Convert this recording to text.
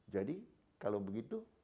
jadi kalau begitu